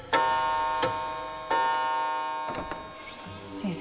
先生